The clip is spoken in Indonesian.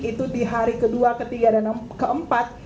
itu di hari kedua ketiga dan keempat